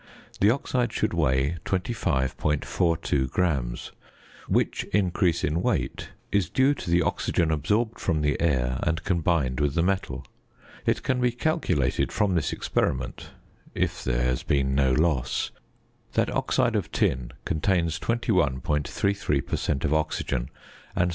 The oxide should weigh 25.42 grams, which increase in weight is due to the oxygen absorbed from the air and combined with the metal. It can be calculated from this experiment (if there has been no loss) that oxide of tin contains 21.33 per cent. of oxygen and 78.